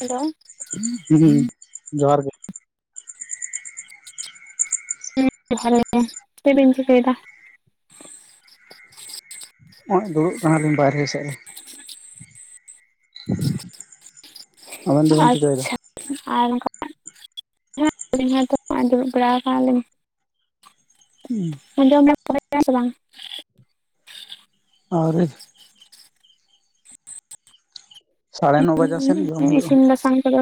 Hello ᱦᱩᱸ, ᱡᱚᱦᱟᱨ ᱜᱮ᱾ [inaudible] ᱪᱮᱫ ᱵᱤᱱ ᱪᱤᱠᱟᱹᱭᱫᱟ? ᱱᱚᱜ-ᱚᱭ ᱫᱩᱲᱩᱵ ᱠᱟᱱᱟ ᱞᱤᱧ ᱵᱟᱨᱦᱮ ᱥᱮᱫ ᱨᱮ᱾ [unintelligible] ᱟᱵᱮᱱ ᱫᱚᱵᱮᱱ ᱪᱤᱠᱟᱹᱭᱮᱫᱟ? ᱟᱪᱪᱷᱟ ᱟᱨ ᱚᱝᱠᱟ᱾ [inaudible] ᱫᱩᱲᱩᱵ ᱵᱟᱲᱟ ᱠᱟᱱᱟ ᱞᱤᱧ ᱾ ᱦᱩᱸ, [inaudible] ᱥᱮ ᱵᱟᱝ? ᱟᱣᱨᱤ, ᱥᱟᱲᱮ ᱱᱚ ᱵᱟᱡᱟᱜ ᱥᱮᱱ ᱡᱚᱢ [inaudible] ᱦᱩᱭᱩᱜᱼᱟ ᱤᱥᱤᱱ ᱵᱟᱥᱟᱝ ᱠᱚ ᱫᱚ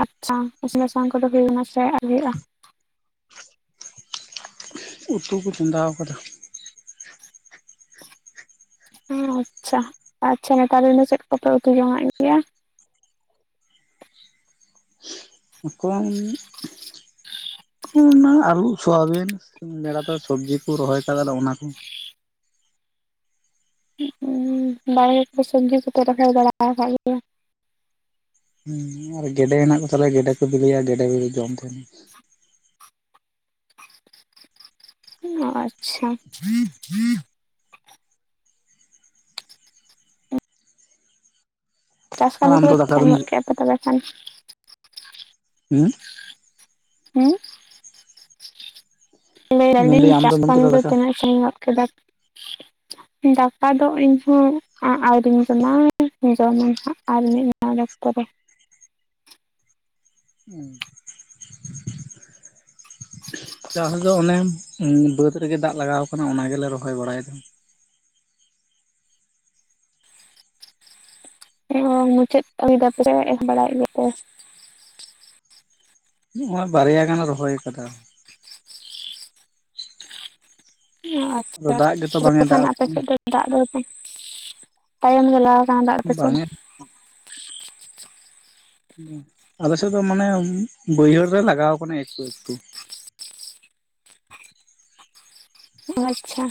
ᱟᱪᱪᱷᱟ ᱤᱥᱤᱱ ᱵᱟᱥᱟᱝ ᱠᱚ ᱫᱚ ᱦᱳᱭᱱᱟ ᱥᱮ ᱟᱣᱨᱤᱭᱟᱜᱼᱟ ᱾ ᱩᱛᱩ ᱠᱚ ᱪᱚᱸᱫᱟᱣ ᱟᱠᱟᱫᱟ ᱾ ᱟᱪᱪᱷᱟ ᱟᱪᱪᱷᱟ, ᱱᱮᱛᱟᱨ ᱫᱤᱱ ᱫᱚ ᱪᱮᱫ ᱠᱩᱯᱮ ᱩᱛᱩ ᱡᱚᱝᱟᱜ ᱜᱮᱭᱟ ᱾ [inaudible] ᱠᱚᱱᱟ ᱟᱹᱞᱩ ᱥᱚᱣᱟᱵᱤᱱ ᱵᱮᱲᱟ ᱛᱮ ᱥᱚᱵᱽᱡᱤ ᱠᱚ ᱨᱚᱦᱚᱭ ᱟᱠᱟᱫᱟ ᱟᱨ ᱚᱱᱟ, ᱵᱟᱦᱨᱮ ᱠᱚ ᱥᱚᱵᱽᱡᱤ ᱠᱚᱯᱮ ᱨᱚᱦᱚᱭ ᱵᱟᱲᱟ ᱟᱠᱟᱫ ᱜᱮᱭᱟ? ᱦᱮᱸ ᱟᱨ ᱜᱮᱸᱰᱮ ᱦᱮᱱᱟᱜ ᱠᱚ ᱛᱟᱞᱮ ᱜᱮᱸᱰᱮ ᱠᱚ ᱵᱤᱞᱟᱹᱭᱟ ᱜᱮᱸᱰᱮ ᱠᱚᱜᱮ ᱡᱚᱢ ᱛᱟᱦᱮᱱᱟ᱾ ᱟᱪᱪᱷᱟ, ᱪᱟᱥ ᱟᱨ ᱠᱟᱹᱢᱤ ᱟᱢ ᱠᱚ ᱫᱚ ᱫᱟᱠᱟ ᱫᱚᱢ [inaudible] ᱯᱮ ᱛᱚᱵᱮ ᱠᱷᱟᱱ, ᱦᱩᱸ ᱦᱮᱸ ᱞᱟᱹᱭ ᱢᱮᱱᱫᱟᱹᱧ ᱫᱟᱞᱤᱧ ᱟᱢ ᱪᱟᱥ ᱫᱚᱢ ᱡᱚᱢ ᱠᱟᱹᱢᱤ ᱠᱮᱫᱟ ᱫᱚ ᱫᱟᱠᱟ? ᱛᱤᱱᱟᱹᱜ ᱥᱟᱹᱝᱜᱤᱧ ᱧᱚᱜ ᱠᱮᱫᱟ᱾ ᱫᱟᱠᱟ ᱫᱚ ᱤᱧᱦᱚᱸ ᱟᱹᱣᱨᱤᱧ ᱡᱚᱢᱟ, ᱡᱚᱢᱟᱧ ᱦᱟᱸᱜ ᱟᱨ ᱢᱤᱫ [inaudible] ᱚᱠᱛᱚ ᱨᱮ᱾ [inaudible] ᱪᱟᱥ ᱫᱚ ᱚᱱᱮ ᱵᱟᱹᱫᱽ ᱨᱮᱜᱮ ᱫᱟᱜ ᱞᱟᱜᱟᱣ ᱟᱠᱟᱱᱟ ᱚᱱᱟ ᱜᱮᱞᱮ ᱨᱚᱦᱚᱭ ᱵᱟᱲᱟᱭᱮᱫᱟ᱾ [inaudible] ᱢᱩᱪᱟᱹᱫ [inaudible] ᱮᱢ ᱵᱟᱲᱟᱭᱮᱫ ᱜᱮᱭᱟ ᱯᱮ᱾ ᱱᱚᱜ ᱚᱭ ᱵᱟᱨᱭᱟ ᱜᱟᱱ ᱨᱚᱦᱚᱭ ᱟᱠᱟᱫᱟ᱾ ᱟᱫᱚ ᱟᱪᱪᱷᱟ ᱫᱟᱜ ᱜᱮᱛᱚ ᱟᱪᱪᱷᱟ ᱵᱟᱝ ᱛᱚᱵᱮ ᱮ ᱠᱷᱟᱱ ᱫᱟᱜ ᱟᱯᱮ ᱥᱮᱫ ᱫᱚ ᱫᱟᱜ ᱫᱚ ᱯᱮ ᱛᱟᱭᱚᱢ ᱜᱮᱞᱟᱣ ᱠᱟᱱᱟ ᱫᱟᱜ ᱵᱟᱝ ᱯᱟᱪᱮᱫ᱾ ᱮ ᱟᱞᱮ ᱥᱮᱫ ᱫᱚ ᱢᱟᱱᱮ ᱵᱟᱹᱭᱦᱟᱹᱲ ᱨᱮ ᱞᱟᱜᱟᱣ ᱟᱠᱟᱱᱟ ᱮᱠᱴᱩ ᱮᱠᱴᱩ᱾ ᱳ ᱟᱪᱪᱷᱟ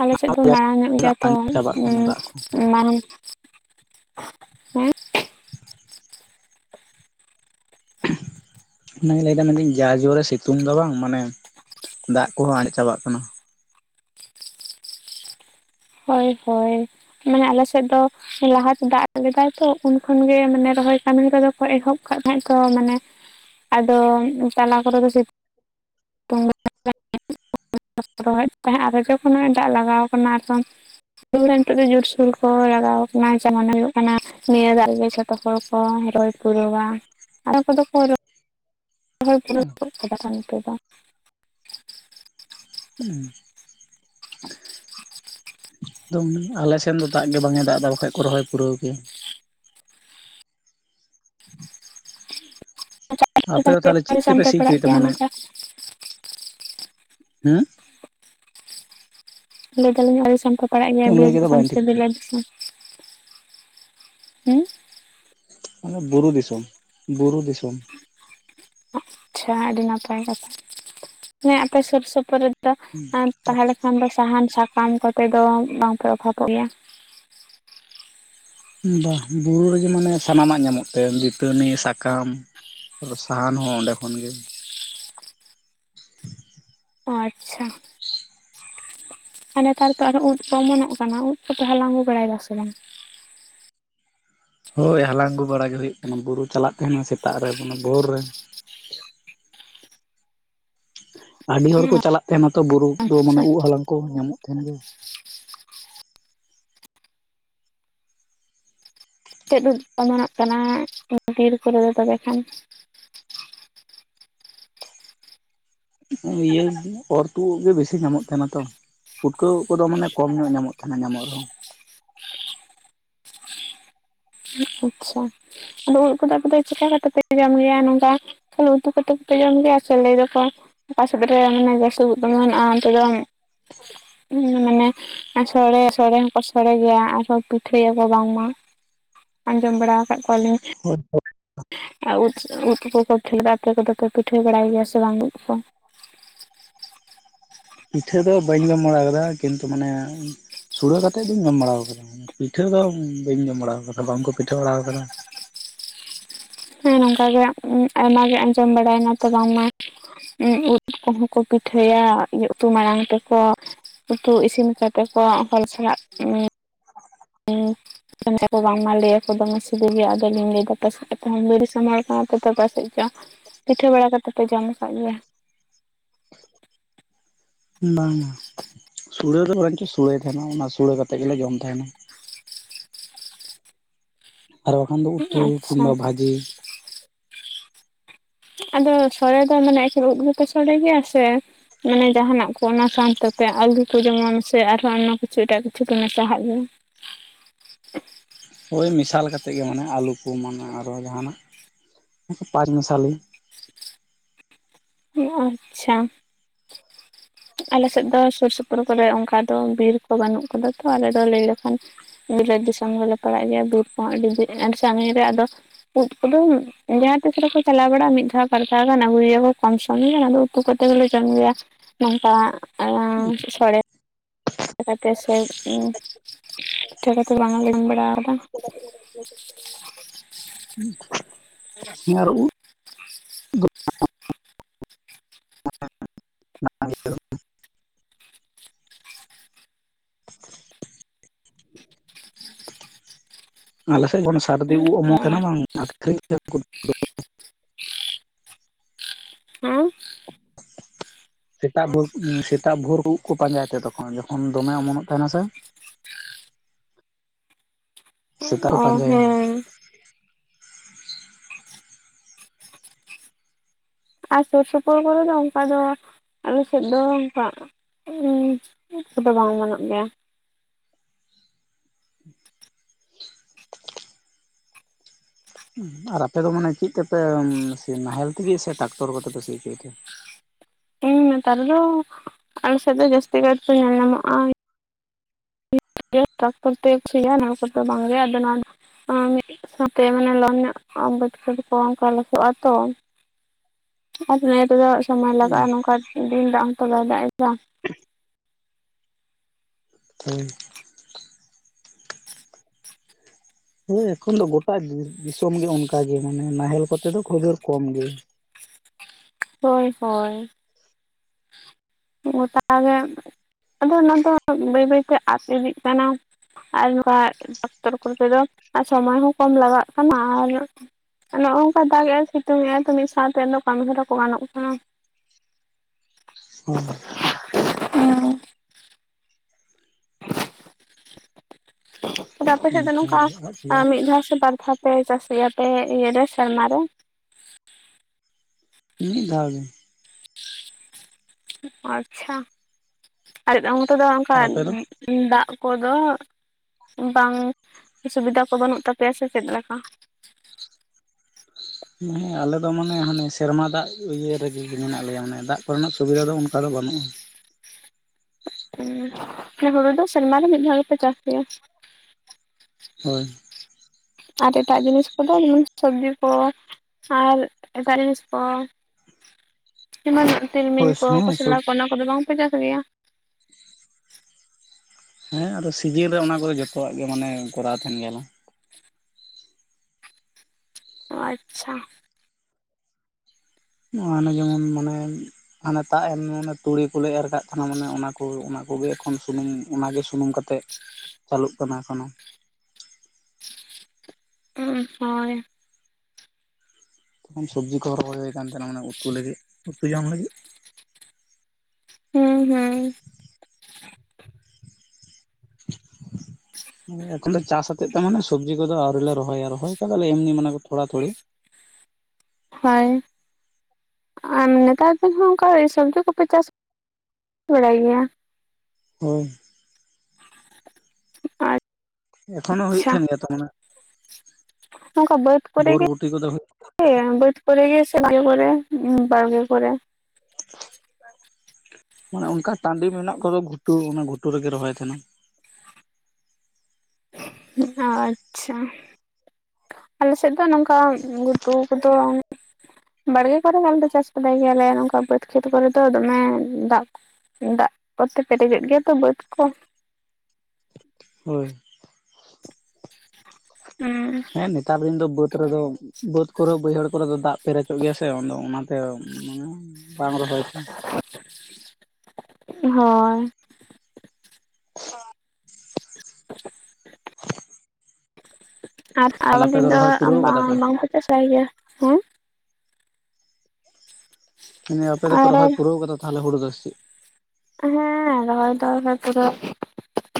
ᱟᱞᱮ ᱥᱮᱫ ᱫᱚ ᱢᱟᱲᱟᱝ ᱧᱚᱜ ᱜᱮᱭᱟ ᱛᱚ ᱪᱟᱵᱟᱜ ᱠᱟᱱᱟ ᱫᱟᱜ ᱠᱚ [inaudible] ᱢᱟᱱᱮ ᱦᱮᱸ [inaudible] ᱚᱱᱟᱜᱤᱧ ᱞᱟᱹᱭᱫᱟ ᱢᱮᱱᱫᱟᱹᱧ ᱡᱟ ᱡᱚᱨ ᱨᱮ ᱥᱤᱛᱩᱝ ᱫᱚ ᱵᱟᱝ ᱢᱟᱱᱮ ᱫᱟᱜ ᱠᱚᱦᱚᱸ ᱟᱡᱮᱫ ᱪᱟᱵᱟᱜ ᱠᱟᱱᱟ᱾ ᱦᱳᱭ ᱦᱳᱭ ᱢᱟᱱᱮ ᱟᱞᱮ ᱥᱮᱫ ᱫᱚ᱾ ᱞᱟᱦᱟᱛᱮ ᱫᱟᱜ ᱞᱮᱫᱟᱭ ᱛᱚ ᱩᱱ ᱠᱷᱚᱱ ᱜᱮ ᱢᱟᱱᱮ ᱨᱚᱦᱚᱭ ᱠᱟᱹᱢᱤ ᱠᱚᱫᱚ ᱠᱚ ᱮᱦᱚᱵ ᱠᱟᱜ ᱛᱚᱦᱮ ᱛᱚ ᱢᱟᱱᱮ ᱟᱫᱚ ᱛᱟᱞᱟ ᱠᱚᱨᱮ ᱫᱚ ᱥᱤᱛᱩᱝ [inaudible] [inaudible] ᱨᱚᱦᱮᱫ ᱛᱟᱦᱮᱸᱫ ᱨᱚᱡᱚ ᱠᱷᱚᱱᱟᱜ ᱜᱮ ᱫᱟᱜ ᱞᱟᱜᱟᱣ ᱟᱠᱟᱱᱟ ᱮᱠᱷᱚᱱ᱾ ᱟᱫᱚ ᱱᱤᱛᱚᱜ ᱫᱚ ᱡᱳᱨ ᱥᱳᱨ ᱠᱚ ᱞᱟᱜᱟᱣ ᱟᱠᱟᱱᱟ ᱡᱮ ᱢᱚᱱᱮ ᱦᱩᱭᱩᱜ ᱠᱟᱱᱟ᱾ ᱱᱤᱭᱟᱹ ᱫᱟᱜ ᱨᱮᱜᱮ ᱡᱷᱚᱛᱚ ᱦᱚᱲ ᱠᱚ ᱨᱚᱦᱚᱭ ᱯᱩᱨᱟᱹᱣᱟ ᱟᱫᱚᱢ ᱠᱚᱫᱚ ᱠᱚ ᱨᱚ ᱨᱚᱦᱚᱭ ᱯᱩᱨᱟᱣ ᱜᱚᱫ ᱠᱮᱫᱟ ᱠᱚ ᱚᱱᱛᱮ ᱫᱚ᱾ [inaudible] ᱮᱠᱫᱚᱢ ᱟᱞᱮ ᱥᱮᱱ ᱫᱚ ᱫᱟᱜ ᱜᱮ ᱵᱟᱝ ᱮ ᱫᱟᱜ ᱮᱫᱟ ᱵᱟᱠᱷᱟᱱ ᱠᱚ ᱨᱚᱦᱚᱭ ᱯᱩᱨᱟᱹᱣ ᱠᱮᱭᱟ᱾ [inaudible] ᱟᱯᱮ ᱫᱚ ᱛᱟᱦᱞᱮ ᱪᱮᱫ ᱟᱹᱰᱤ ᱛᱮᱯᱮ ᱥᱟᱢᱴᱟᱣ ᱥᱤ ᱯᱟᱲᱟᱜ ᱦᱚᱪᱚᱭ ᱮᱫᱟ ᱜᱮᱭᱟ ᱢᱟᱱᱮ ᱚᱱᱟᱠᱟ ᱦᱮᱸ᱾ ᱞᱟᱹᱭ ᱫᱟᱞᱤᱧ ᱚᱠᱟ ᱫᱤᱥᱚᱢ ᱯᱮ ᱯᱟᱲᱟᱜ ᱜᱮᱭᱟ ᱪᱮᱫ ᱮᱢ ᱵᱤᱨ ᱞᱟᱹᱭ ᱠᱮᱫᱟ ᱫᱤᱥᱚᱢ ᱵᱟᱹᱧ ᱥᱮ ᱴᱷᱤᱠᱟᱹ ᱵᱤᱞᱟᱹᱱ ᱫᱤᱥᱚᱢ᱾ ᱦᱩᱸ ᱢᱟᱱᱮ ᱵᱩᱨᱩ ᱫᱤᱥᱚᱢ, ᱵᱩᱨᱩ ᱫᱤᱥᱚᱢ᱾ ᱟᱪᱪᱷᱟ ᱟᱹᱰᱤ ᱱᱟᱯᱟᱭ ᱠᱟᱛᱷᱟ ᱦᱮ ᱟᱯᱮ ᱥᱩᱨ ᱥᱩᱯᱩᱨ ᱨᱮ ᱛᱟᱦᱚᱞᱮ ᱠᱷᱟᱱ ᱫᱚ ᱥᱟᱦᱟᱱ ᱥᱟᱠᱟᱢ ᱠᱚᱛᱮ ᱫᱚ ᱵᱟᱝᱯᱮ ᱚᱵᱷᱟᱵᱚᱜ ᱜᱮᱭᱟ᱾ ᱵᱩᱨᱩ ᱨᱮᱜᱮ ᱢᱟᱱᱮ ᱥᱟᱱᱟᱢᱟᱜ ᱧᱟᱢᱚᱜ ᱛᱮ ᱫᱟᱹᱛᱟᱹᱱᱤ ᱥᱟᱠᱟᱢ ᱥᱟᱦᱟᱱ ᱦᱚᱸ ᱚᱸᱰᱮ ᱠᱷᱚᱱ ᱜᱮ᱾ ᱚ ᱟᱪᱪᱷᱟ ᱟᱨ ᱱᱮᱛᱟᱨ ᱛᱚ ᱟᱨᱦᱚᱸ ᱩᱫ ᱠᱩ ᱚᱢᱚᱱᱚᱜ ᱠᱟᱱᱟ ᱩᱫ ᱠᱚᱯᱮ ᱦᱟᱞᱟᱝ ᱟᱹᱜᱩ ᱵᱟᱲᱟᱭᱮᱫᱟ ᱥᱮ ᱵᱟᱝ᱾ ᱦᱳᱭ ᱦᱟᱞᱟᱝ ᱟᱹᱜᱩ ᱵᱟᱲᱟ ᱜᱮ ᱦᱩᱭᱩᱜ ᱠᱟᱱᱟ ᱵᱩᱨᱩ ᱪᱟᱞᱟᱜ ᱛᱟᱦᱮᱱᱟ ᱥᱮᱛᱟᱜ ᱨᱮ ᱵᱷᱳᱨ ᱨᱮ᱾ ᱟᱹᱰᱤ ᱦᱚᱲ ᱠᱚ ᱪᱟᱞᱟᱜ ᱛᱟᱦᱮᱱᱟ ᱛᱚ ᱵᱩᱨᱩ ᱫᱚ ᱢᱟᱱᱮ ᱟᱪᱪᱷᱟ ᱩᱵ ᱦᱟᱞᱟᱝ ᱠᱚ ᱧᱟᱢᱚᱜ ᱛᱟᱦᱮᱸᱱ ᱜᱮ᱾ ᱪᱮᱫ ᱩᱫ ᱚᱢᱚᱱᱚᱜ ᱠᱟᱱᱟ ᱵᱤᱨ ᱠᱚᱨᱮ ᱫᱚ ᱛᱚᱵᱮ ᱠᱷᱟᱱ? ᱤᱭᱟᱹ ᱚᱨ ᱛᱩᱫ ᱩᱫ ᱜᱮ ᱵᱮᱥᱤ ᱧᱟᱢᱚᱜ ᱛᱟᱦᱮᱱᱟ ᱛᱚ᱾ ᱯᱩᱴᱠᱟᱹ ᱩᱫ ᱠᱚᱫᱚ ᱢᱟᱱᱮ ᱠᱚᱢ ᱧᱚᱜ ᱧᱟᱢᱚᱜ ᱛᱟᱦᱮᱱᱟ ᱧᱟᱢᱚᱜ ᱨᱮᱦᱚᱸ ᱟᱪᱪᱷᱟ, ᱟᱫᱚ ᱩᱫ ᱠᱚᱫᱚ ᱪᱮᱠᱟ ᱠᱟᱛᱮ ᱡᱚᱢ ᱜᱮᱭᱟ ᱱᱚᱝᱠᱟ᱾ ᱛᱟᱦᱚᱞᱮ ᱩᱛᱩ ᱠᱟᱛᱮ ᱯᱮ ᱡᱚᱢ ᱜᱮᱭᱟ ᱥᱮ ᱞᱟᱹᱭ ᱫᱚᱠᱚ ᱚᱠᱟ ᱥᱮᱫ ᱨᱮ ᱢᱟᱱᱮ ᱡᱟᱹᱥᱛᱤ ᱩᱫ ᱚᱢᱚᱱᱚᱜ ᱟᱜ ᱚᱱᱛᱮ ᱫᱚ [unintelligible] ᱢᱟᱱᱮ ᱥᱚᱲᱮ ᱥᱚᱲᱮ ᱦᱚᱸᱠᱚ ᱥᱚᱲᱮᱜ ᱜᱮᱭᱟ ᱟᱨ ᱯᱤᱴᱷᱟᱹᱭᱟᱠᱚ ᱵᱟᱝᱢᱟ᱾ ᱟᱸᱡᱚᱢ ᱵᱟᱲᱟ ᱟᱠᱟᱜ ᱠᱚᱣᱟ ᱞᱤᱧ᱾ [unintelligible] ᱩᱫ ᱩᱫ ᱠᱚ ᱴᱷᱮᱝᱨᱟ ᱟᱛᱮ ᱯᱤᱴᱷᱟᱹ ᱵᱟᱲᱟᱭ ᱜᱮᱭᱟ ᱥᱮ ᱵᱟᱝ ᱩᱫ ᱠᱚ? ᱯᱤᱴᱷᱟᱹ ᱫᱚ ᱵᱟᱹᱧ ᱡᱚᱢ ᱵᱟᱲᱟ ᱟᱠᱟᱫᱟ ᱠᱤᱱᱛᱩ ᱢᱟᱱᱮ ᱥᱩᱲᱟᱹ ᱠᱟᱛᱮᱫ ᱫᱚᱧ ᱡᱚᱢ ᱵᱟᱲᱟᱣ ᱠᱟᱫᱟ᱾ ᱯᱤᱴᱷᱟᱹ ᱫᱚ ᱵᱟᱹᱧ ᱡᱚᱢ ᱵᱟᱲᱟ ᱠᱟᱫᱟ ᱵᱟᱝᱠᱚ ᱯᱤᱴᱷᱟᱹ ᱵᱟᱲᱟᱣ ᱠᱟᱫᱟ᱾ ᱦᱮᱸ ᱱᱚᱝᱠᱟ ᱜᱮ ᱟᱭᱢᱟ ᱜᱮ ᱟᱸᱡᱚᱢ ᱵᱟᱲᱟᱭ ᱮᱱᱟ ᱛᱚ ᱵᱟᱝᱢᱟ ᱩᱫ ᱠᱚᱦᱚᱸ ᱠᱚ ᱯᱤᱴᱷᱟᱹᱭᱟ ᱩᱛᱩ ᱢᱟᱲᱟᱝ ᱛᱮᱠᱚ ᱩᱛᱩ ᱤᱥᱤᱱ ᱠᱟᱛᱮ ᱠᱚ ᱦᱚᱲ ᱥᱟᱞᱟᱜ ᱩᱸ ᱩᱸ ᱠᱚ ᱵᱟᱝᱢᱟ ᱞᱟᱹᱭ ᱟᱠᱚ ᱫᱚᱢᱮ ᱥᱤᱵᱤᱞ ᱜᱮᱭᱟ ᱟᱫᱚ ᱞᱤᱧ ᱞᱟᱹᱭᱫᱟ ᱯᱟᱥᱮᱡ ᱵᱤᱲᱤ ᱥᱟᱱᱟᱭᱮ ᱠᱟᱱᱟ ᱯᱟᱥᱮᱡ ᱪᱚ ᱯᱤᱴᱷᱟᱹ ᱵᱟᱲᱟ ᱠᱟᱛᱮᱫ ᱯᱮ ᱡᱚᱢ ᱠᱟᱜ ᱜᱮᱭᱟ? ᱵᱟᱝᱼᱟ ᱥᱩᱲᱮ ᱫᱚ ᱵᱚᱨ ᱪᱚ ᱥᱩᱲᱮ ᱛᱟᱦᱮᱱᱟ ᱚᱱᱟ ᱥᱩᱲᱮ ᱠᱟᱛᱮᱫ ᱜᱮᱞᱮ ᱡᱚᱢ ᱛᱟᱦᱮᱱᱟ᱾ ᱟᱨ ᱵᱟᱠᱷᱟᱱ ᱫᱚ ᱩᱛᱩ ᱦᱮᱸ ᱟᱪᱪᱷᱟ ᱠᱤᱱᱵᱟ ᱵᱷᱟᱹᱡᱤ ᱟᱫᱚ ᱥᱚᱲᱮ ᱫᱚ ᱢᱟᱱᱮ ᱮᱠᱮᱱ ᱩᱵᱫ ᱜᱮᱯᱮ ᱥᱚᱲᱮ ᱜᱮᱭᱟ ᱥᱮ ᱢᱟᱱᱮ ᱡᱟᱦᱱᱟᱜ ᱠᱚ ᱚᱱᱟ ᱥᱟᱶᱛᱮᱯᱮ ᱟᱹᱞᱩ ᱠᱚ ᱡᱮᱢᱚᱱ ᱥᱮ ᱟᱨᱦᱚᱸ ᱟᱭᱢᱟ ᱠᱤᱪᱷᱩ ᱮᱴᱟᱜ ᱠᱤᱪᱷᱩ ᱠᱚ ᱢᱮᱥᱟᱦᱟᱜ ᱜᱮᱭᱟ? ᱦᱳᱭ ᱢᱮᱥᱟ ᱞᱮᱠᱟ ᱛᱮ ᱜᱮ ᱢᱟᱱᱮ ᱟᱹᱞᱩ ᱠᱚ ᱢᱟᱱᱮ ᱟᱨᱚ ᱡᱟᱦᱟᱱᱟᱜ ᱯᱟᱸᱪ ᱢᱮᱥᱟᱞᱤ᱾ [unintelligible] ᱦᱮᱸ ᱟᱪᱪᱷᱟ᱾ ᱟᱞᱮ ᱥᱮᱫ ᱫᱚ ᱥᱩᱨ ᱥᱩᱯᱩᱨ ᱠᱚᱨᱮ ᱚᱱᱠᱟ ᱫᱚ ᱵᱤᱨ ᱠᱚ ᱵᱟᱹᱱᱩᱜ ᱟᱠᱟᱫᱟ ᱛᱚ ᱟᱞᱮ ᱫᱚ ᱞᱟᱹᱭ ᱞᱮᱠᱷᱟᱱ ᱵᱤᱞᱟᱹᱛ ᱫᱤᱥᱚᱢ ᱨᱮᱞᱮ ᱯᱟᱲᱟᱜ ᱜᱮᱭᱟ ᱵᱤᱨ ᱠᱚᱦᱚᱸ ᱟᱹᱰᱤ ᱵᱤᱨᱟᱱ ᱥᱟᱹᱜᱤᱧ ᱨᱮ ᱟᱫᱚ ᱩᱫ ᱠᱚᱫᱚ ᱡᱟᱦᱟᱸ ᱛᱤᱥ ᱨᱮᱠᱚ ᱪᱟᱞᱟᱣ ᱵᱟᱲᱟᱜᱼᱟ ᱢᱤᱫ ᱫᱷᱟᱣ ᱵᱟᱨ ᱫᱷᱟᱣ ᱜᱟᱱ ᱟᱹᱜᱩᱭ ᱦᱩᱭᱩᱜᱭᱟ ᱠᱚᱢ ᱥᱚᱢ ᱜᱟᱱ ᱟᱫᱚ ᱩᱛᱩ ᱠᱟᱛᱮ ᱜᱮᱞᱮ ᱡᱚᱢ ᱜᱮᱭᱟ᱾ ᱱᱚᱝᱠᱟ ᱟᱸ ᱥᱚᱲᱮ᱾ ᱛᱮ ᱥᱮ ᱯᱤᱴᱷᱟᱹ ᱠᱟᱛᱮ ᱵᱟᱝ ᱞᱮ ᱡᱚᱢ ᱵᱟᱲᱟ ᱠᱟᱫᱟ᱾ [unintelligible] ᱟᱨ [unintelligible] ᱩᱫ [inaudible] [unintelligible] ᱟᱞᱮ ᱥᱮᱜ ᱠᱷᱚᱱ ᱥᱟᱨᱫᱤ ᱩᱵ ᱚᱢᱚᱱ ᱞᱮᱱᱟ [inaudible] ᱠᱟᱱᱟ ᱟᱹᱨᱤᱧ ᱦᱮᱸ᱾ ᱥᱮᱛᱟᱜ ᱵᱷᱳᱨ ᱥᱮᱛᱟᱜ ᱵᱷᱳᱨ ᱩᱵ ᱠᱚ ᱯᱟᱸᱡᱟᱭ ᱛᱮ ᱡᱚᱠᱷᱚᱱ ᱫᱚᱢᱮ ᱚᱢᱚᱱᱚᱜ ᱛᱟᱦᱮᱱᱟ ᱥᱮ᱾ ᱥᱮᱛᱟᱜ ᱠᱚ ᱟ ᱯᱟᱸᱡᱟᱭᱟ ᱦᱮᱸ᱾ ᱟᱨ ᱥᱩᱨ ᱥᱩᱯᱩᱨ ᱠᱚᱨᱮ ᱫᱚ ᱚᱱᱠᱟ ᱫᱚ ᱟᱞᱮ ᱥᱮᱫ ᱫᱚ ᱚᱝᱠᱟ ᱩᱸ ᱠᱚᱫᱚ ᱵᱟᱝ ᱚᱢᱚᱱᱚᱜ ᱜᱮᱭᱟ᱾ ᱟᱨ ᱟᱯᱮ ᱫᱚ ᱢᱟᱱᱮ ᱪᱮᱫ ᱛᱮᱯᱮ ᱱᱟᱦᱮᱞ ᱛᱮᱜᱮ ᱥᱮ ᱴᱟᱠᱴᱚᱨ ᱠᱚᱛᱮᱯᱮ ᱥᱤ ᱚᱪᱚᱭ ᱛᱮ? ᱦᱩᱸ ᱱᱮᱛᱟᱨ ᱟᱞᱮᱥᱮᱫ ᱫᱚ ᱡᱟᱹᱥᱛᱤ ᱠᱟᱭᱛᱮ ᱧᱮᱞ ᱧᱟᱢᱚᱜᱼᱟ᱾ ᱤᱭᱚᱹ ᱴᱨᱟᱠᱴᱚᱨ ᱛᱮᱜᱮ ᱠᱚ ᱥᱤᱭᱟ ᱱᱚᱣᱟ ᱠᱚᱨᱮᱫ ᱫᱚ ᱵᱟᱝ ᱜᱮ ᱟᱫᱚᱱᱟ ᱢᱤᱫ ᱥᱟᱶᱛᱮ ᱢᱟᱱᱮ ᱞᱳᱱ ᱧᱚᱜ ᱵᱟᱹᱛ ᱠᱮᱛ ᱠᱚ ᱚᱱᱠᱟ ᱞᱚᱥᱚᱠᱜᱼᱟ ᱛᱚ᱾ ᱟᱫᱚ ᱱᱤᱭᱟᱹ ᱛᱚ ᱥᱚᱢᱚᱭ ᱞᱟᱜᱟᱜᱼᱟ ᱱᱚᱝᱠᱟ ᱫᱤᱱ ᱫᱟᱜ ᱦᱚᱸᱛᱚ ᱵᱟᱭ ᱫᱟᱜ ᱫᱟ᱾ ᱦᱩᱸ᱾ ᱦᱳᱭ ᱮᱠᱷᱚᱱ ᱫᱚ ᱜᱚᱴᱟ ᱫᱤᱥᱚᱢ ᱜᱮ ᱚᱱᱠᱟ ᱜᱮ ᱢᱟᱱᱮ ᱱᱟᱦᱮᱞ ᱠᱚᱛᱮ ᱫᱚ ᱠᱷᱩᱵᱮᱨ ᱠᱚᱢ ᱜᱮ᱾ ᱦᱚᱭ ᱦᱚᱭ᱾ ᱜᱚᱴᱟ ᱜᱮ, ᱟᱫᱚ ᱚᱱᱟ ᱫᱚ ᱵᱟᱹᱭ ᱵᱟᱹᱭᱛᱮ ᱟᱛ ᱤᱫᱤᱜ ᱠᱟᱱᱟ᱾ ᱟᱨ ᱱᱚᱠᱟ ᱰᱚᱠᱴᱚᱨ ᱠᱚᱛᱮ ᱫᱚ ᱟᱨ ᱥᱚᱢᱚᱭ ᱦᱚᱸ ᱠᱚᱢ ᱞᱟᱜᱟᱜ ᱠᱟᱱᱟ ᱟᱨ ᱱᱚᱜ-ᱚᱝᱠᱟ ᱫᱟᱜ ᱮᱜᱟᱭ ᱥᱤᱛᱩᱝ ᱮᱜᱟᱭ ᱛᱚ ᱢᱤᱫ ᱥᱟᱶᱛᱮ ᱟᱫᱚ ᱠᱟᱹᱢᱤ ᱦᱚᱨᱟ ᱠᱚ ᱜᱟᱱᱚᱜ ᱠᱟᱱᱟ᱾ ᱦᱩᱸ ᱦᱩᱸ ᱛᱚᱵᱮ ᱟᱯᱮ ᱥᱮᱫ ᱫᱚ ᱚᱱᱠᱟ ᱱᱚᱝᱠᱟ ᱜᱮ ᱟᱫ ᱮᱸ ᱪᱟᱵᱟᱜ ᱢᱤᱫ ᱫᱷᱟᱣ ᱥᱮ ᱵᱟᱨ ᱫᱷᱟᱣ ᱯᱮ ᱪᱟᱹᱥ ᱜᱮᱭᱟ ᱯᱮ ᱤᱭᱟᱹ ᱨᱮ ᱥᱮᱨᱢᱟ ᱨᱮ᱾ ᱢᱤᱜ ᱫᱷᱟᱣ ᱜᱮ᱾ ᱟᱪᱪᱷᱟ ᱟᱨ [inaudible] ᱫᱚ ᱚᱱᱠᱟ, ᱟᱨ ᱟᱯᱮ ᱫᱚ? ᱫᱟᱜ ᱠᱚᱫᱚ ᱵᱟᱝ ᱥᱩᱵᱤᱫᱟ ᱠᱚ ᱵᱟᱹᱱᱩᱜ ᱛᱟᱯᱮᱭᱟ ᱥᱮ ᱪᱮᱫ ᱞᱮᱠᱟ? ᱦᱮᱸ ᱦᱮᱸ ᱟᱞᱮ ᱫᱚ ᱢᱟᱱᱮ ᱦᱟᱱᱮ ᱥᱮᱨᱢᱟ ᱫᱟᱜ ᱤᱭᱟᱹ ᱨᱮᱜᱮ ᱢᱮᱱᱟᱜ ᱞᱮᱭᱟ ᱢᱟᱱᱮ ᱫᱟᱜ ᱠᱚᱨᱮᱱᱟᱜ ᱥᱩᱵᱤᱫᱟ ᱫᱚ ᱚᱱ ᱚᱱᱠᱟ ᱫᱚ ᱵᱟᱹᱱᱩᱜ-ᱟ᱾ [inaudible] ᱦᱩᱲᱩ ᱫᱚ ᱥᱮᱨᱢᱟ ᱨᱮ ᱢᱤᱫ ᱫᱷᱟᱣ ᱜᱮᱯᱮ ᱪᱟᱥ ᱜᱮᱭᱟ᱾ ᱦᱳᱭ ᱟᱨ ᱮᱴᱟᱜ ᱡᱤᱱᱤᱥ ᱠᱚᱫᱚ ᱡᱮᱢᱚᱱ ᱥᱚᱵᱽᱡᱤ ᱠᱚ ᱟᱨ ᱮᱴᱟᱜ ᱡᱤᱱᱤᱥ ᱠᱚ ᱮᱢᱟᱱᱟᱜ᱾ ᱦᱳᱭ ᱛᱤᱞᱢᱤᱧ ᱠᱚ ᱦᱮᱸ ᱥᱚᱵ ᱠᱚᱥᱞᱟ ᱠᱚ ᱚᱱᱟ ᱠᱚᱫᱚ ᱵᱟᱝ ᱯᱮ ᱪᱟᱥ ᱜᱮᱭᱟ᱾ ᱦᱮᱸ ᱟᱫᱚ ᱥᱤᱡᱤᱱ ᱨᱮ ᱚᱱᱟ ᱠᱚᱫᱚ ᱡᱚᱛᱚᱣᱟᱜ ᱜᱮ ᱢᱟᱱᱮ ᱠᱚᱨᱟᱣ ᱛᱟᱦᱮᱱ ᱜᱮᱭᱟᱞᱮ᱾ ᱚ ᱟᱪᱪᱷᱟ ᱦᱟᱱᱮ ᱡᱮᱢᱚᱱ ᱢᱟᱱᱮ ᱦᱟᱱᱮ ᱛᱟᱜ ᱮᱱ ᱢᱟᱱᱮ ᱛᱩᱲᱤ ᱠᱚᱞᱮ ᱮᱨ ᱠᱟᱜ ᱛᱟᱦᱱᱟ ᱢᱟᱱᱮ ᱚᱱᱟ ᱠᱚ ᱳ ᱚᱱᱟ ᱠᱚᱜᱮ ᱮᱠᱷᱚᱱ ᱥᱩᱱᱩᱢ ᱚᱱᱟᱜᱮ ᱥᱩᱱᱩᱢ ᱠᱟᱛᱮᱜ ᱪᱟᱹᱞᱩᱜ ᱠᱟᱱᱟ ᱮᱠᱷᱚᱱᱚ᱾ ᱩᱸᱜ ᱦᱚᱭ ᱛᱚᱠᱷᱚᱱ ᱥᱚᱵᱽᱡᱤ ᱠᱚᱦᱚ ᱨᱚᱦᱚᱭ ᱦᱳᱭ ᱠᱟᱱ ᱛᱟᱦᱮᱱᱟ ᱢᱟᱱᱮ ᱩᱛᱩ ᱞᱟᱹᱜᱤᱫ ᱩᱛᱩ ᱡᱚᱢ ᱞᱟᱹᱜᱤᱫ᱾ ᱦᱩᱸ ᱦᱩᱸ [inaudible] ᱮᱠᱷᱚᱱ ᱫᱚ ᱪᱟᱥ ᱟᱛᱮᱫ ᱫᱚ ᱢᱟᱱᱮ ᱥᱚᱵᱽᱡᱤ ᱠᱚᱫᱚ ᱟᱹᱣᱨᱤ ᱞᱮ ᱨᱚᱦᱚᱭᱟ ᱨᱚᱦᱚᱭ ᱠᱟᱫᱟ ᱞᱮ ᱮᱢᱱᱤ ᱢᱟᱱᱮ ᱛᱷᱚᱲᱟ ᱛᱷᱚᱲᱤ᱾ ᱦᱚᱭ ᱟᱨ ᱱᱮᱛᱟᱨ ᱫᱤᱱ ᱦᱚᱸ ᱚᱱᱠᱟ ᱥᱚᱵᱽᱡᱤ ᱠᱚᱯᱮ ᱪᱟᱥ ᱵᱟᱲᱟᱭ ᱜᱮᱭᱟ᱾ ᱦᱳᱭ ᱟᱪ ᱮᱠᱷᱚᱱᱚ ᱦᱩᱭᱩᱜ ᱛᱟᱦᱮᱱ ᱜᱮᱭᱟ ᱛᱚ ᱢᱟᱱᱮ ᱱᱚᱝᱠᱟ ᱵᱟᱹᱫᱽ ᱠᱚᱨᱮ ᱜᱮ ᱵᱳᱨᱵᱩᱴᱤ ᱠᱚᱫᱚ [inaudible] ᱵᱟᱹᱫᱽ ᱠᱚᱨᱮ ᱜᱮ [inaudible] ᱠᱚᱨᱮ ᱩᱸ ᱵᱟᱲᱜᱮᱹ ᱠᱚᱨᱮ ᱢᱟᱱᱮ ᱚᱱᱠᱟ ᱴᱟᱺᱰᱤ ᱢᱮᱱᱟᱜ ᱠᱚᱫᱟ ᱜᱷᱩᱴᱩ ᱚᱱᱟ ᱜᱷᱩᱴᱩ ᱨᱮᱜᱮ ᱨᱚᱦᱚᱭ ᱠᱟᱱᱟ᱾ [inaudible] ᱦᱚᱸ ᱟᱪᱪᱷᱟ ᱟᱞᱮ ᱥᱮᱫ ᱫᱚ ᱱᱚᱝᱠᱟ ᱜᱷᱩᱴᱩ ᱠᱚᱫᱚ ᱵᱟᱲᱜᱮ ᱠᱚᱨᱮ ᱫᱚ ᱟᱞᱮ ᱫᱚ ᱪᱟᱥ ᱵᱟᱫᱟᱭ ᱜᱮᱭᱟᱞᱮ ᱱᱚᱝᱠᱟ ᱵᱟᱹᱫᱽ ᱠᱷᱮᱛ ᱠᱚᱨᱮ ᱫᱚ ᱫᱚᱢᱮ ᱫᱟᱜ ᱠᱚ ᱫᱟᱜ ᱠᱚᱛᱮ ᱯᱮᱨᱮᱡᱚᱜ ᱜᱮᱭᱟ ᱛᱚ ᱵᱟᱹᱫ ᱠᱚ᱾ ᱦᱳᱭ ᱦᱩᱸ ᱦᱮᱸ ᱱᱮᱛᱟᱨ ᱫᱤᱱ ᱫᱚ ᱵᱟᱹᱫ ᱨᱮᱫᱚ ᱵᱟᱹᱫ ᱠᱚᱨᱮ ᱵᱟᱹᱭᱦᱟᱹᱲ ᱠᱚᱨᱮ ᱫᱚ ᱫᱟᱜ ᱯᱮᱨᱮᱡᱚᱜ ᱜᱮᱭᱟ ᱥᱮ [inaudible] ᱚᱱᱟ ᱥᱮ ᱢᱟᱱᱮ ᱵᱟᱝ ᱨᱚᱦᱚᱭ ᱛᱮ ᱦᱚᱭ ᱟᱨ ᱛᱟᱦᱚᱞᱮ ᱟᱵᱟᱝ ᱟᱯᱮ ᱫᱤᱱ ᱫᱚ ᱨᱚᱦᱚᱭ ᱯᱩᱨᱟᱹᱣ ᱠᱟᱫᱟ ᱟᱵᱟᱝ ᱯᱮ ᱵᱟᱝᱠᱚ ᱪᱟᱥ ᱵᱟᱲᱟᱭ ᱜᱮᱭᱟ᱾ ᱦᱮᱸ [inaudible] ᱟᱯᱮ ᱫᱚᱯᱮ ᱟᱨ ᱨᱚᱦᱚᱭ ᱯᱩᱨᱟᱹᱣ ᱠᱟᱫᱟ ᱛᱟᱦᱚᱞᱮ ᱦᱩᱲᱩ ᱫᱚ ᱥᱮᱪᱮᱜ᱾ ᱦᱮᱸ ᱨᱚᱦᱚᱭ ᱫᱚ [inaudible] ᱯᱩᱨᱟᱹᱣ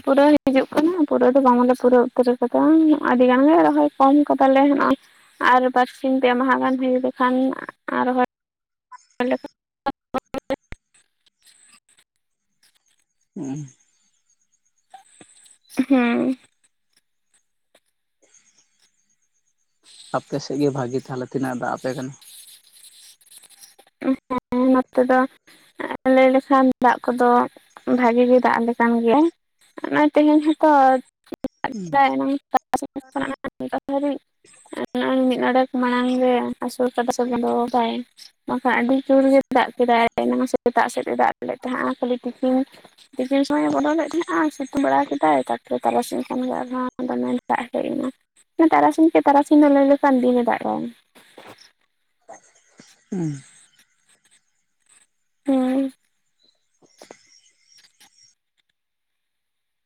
ᱯᱩᱨᱟᱹᱣ ᱦᱤᱡᱩᱜ ᱠᱟᱱᱟ ᱫᱚ ᱵᱟᱝ ᱮ ᱯᱩᱨᱟᱹ ᱩᱛᱟᱹᱨ ᱠᱟᱫᱟ ᱟᱹᱰᱤ ᱜᱟᱱ ᱜᱮ ᱨᱚᱦᱚᱭ ᱠᱚᱢ ᱠᱟᱫᱟᱞᱮ ᱱᱚᱜ-ᱚ᱾ ᱟᱨ ᱵᱟᱨᱥᱤᱧ ᱯᱮ ᱢᱟᱦᱟ ᱜᱟᱱ ᱦᱩᱭᱩᱜ ᱞᱮᱠᱷᱟᱱ ᱟᱨᱦᱚᱸ [unintelligible] [unintelligible] ᱦᱩᱸᱻ ᱟᱯᱮ ᱥᱮᱫ ᱜᱮ ᱵᱷᱟᱜᱤ ᱛᱟᱦᱚᱸᱞᱮ ᱛᱤᱱᱟᱹᱜ-ᱮ ᱫᱟᱜ ᱟᱯᱮ ᱠᱟᱱᱟ᱾ ᱦᱮᱸ ᱱᱚᱛᱮ ᱫᱚ᱾ ᱞᱟᱹᱭ ᱞᱮᱠᱷᱟᱱ ᱫᱟᱜ ᱠᱚᱫᱚ ᱵᱷᱟᱜᱤ ᱜᱮ ᱫᱟᱜ ᱟᱞᱮ ᱠᱟᱱ ᱜᱮᱭᱟ᱾ ᱚᱱᱟ ᱛᱮᱦᱮᱧ ᱦᱚᱸᱛᱚ [unintelligible] [unintelligible] ᱱᱚᱜ-ᱚᱭ ᱢᱤᱫ ᱟᱰᱮᱠ ᱢᱟᱲᱟᱝ ᱨᱮ [unintelligible] ᱵᱟᱠᱷᱟᱱ ᱟᱹᱰᱤ ᱡᱳᱨ ᱜᱮ ᱫᱟᱜ ᱠᱮᱫᱟᱭ ᱮᱱᱟᱝ ᱥᱮᱛᱟᱜ ᱥᱮᱫ-ᱮ ᱫᱟᱜ ᱞᱮᱫ ᱛᱟᱦᱮᱸᱜ-ᱟ ᱠᱷᱟᱹᱞᱤ ᱛᱤᱠᱤᱱ ᱛᱤᱠᱤᱱ ᱥᱚᱢᱚᱭᱮ ᱵᱚᱫᱚᱞᱮᱫ ᱛᱟᱦᱮᱸᱱᱟ ᱥᱤᱛᱩᱝ ᱵᱟᱲᱟ ᱠᱮᱫᱟᱭ ᱛᱟᱨᱯᱚᱨᱮ ᱛᱟᱨᱟᱥᱤᱧ ᱠᱷᱟᱱᱜᱮ ᱟᱨᱦᱚᱸ ᱫᱚᱢᱮ ᱫᱟᱜ ᱦᱮᱡ ᱮᱱᱟ᱾ ᱛᱟᱨᱟᱥᱤᱧ ᱜᱮ ᱛᱟᱨᱟᱥᱤᱧ ᱦᱚᱸ ᱞᱟᱹᱭ ᱞᱮᱠᱷᱟᱱ ᱫᱤᱱᱮ ᱫᱟᱜ-ᱟᱭ᱾ ᱦᱩᱸ᱾ ᱦᱮᱸ᱾